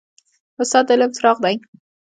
استاد د علم څراغ دی.